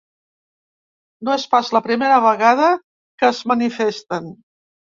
No és pas la primera vegada que es manifesten.